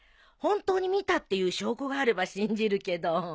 本当に見たっていう証拠があれば信じるけど。